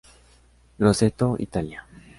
Grosseto, Italia.